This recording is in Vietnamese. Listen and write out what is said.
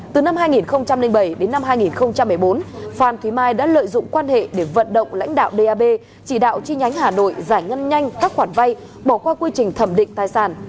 từ năm hai nghìn bảy đến năm hai nghìn một mươi bốn phan thúy mai đã lợi dụng quan hệ để vận động lãnh đạo đ a b chỉ đạo chi nhánh hà nội giải ngân nhanh các khoản vai bỏ qua quy trình thẩm định tài sản